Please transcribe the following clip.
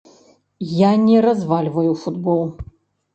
Я не развальваю футбол.